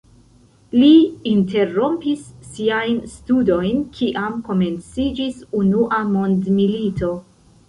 Li interrompis siajn studojn kiam komenciĝis Unua mondmilito.